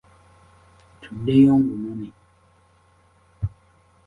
Tuddeyo ngunone.